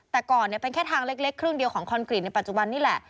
แต่ก่อนเป็นแค่ทางเล็กครึ่งเดียวของคอนกรีตในปัจจุบันนี่แหละ